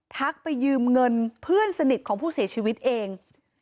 ไปยืมเงินเพื่อนสนิทของผู้เสียชีวิตเอง